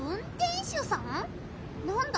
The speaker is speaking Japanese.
なんだ？